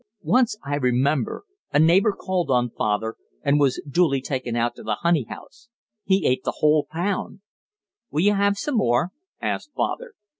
"Once, I remember, a neighbour called on father, and was duly taken out to the honey house. He ate the whole pound. 'Will you have some more?' asked father.